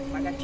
ya kita beli